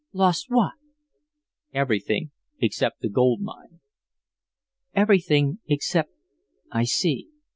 "Lost what?" "Everything except the gold mine." "Everything except I see.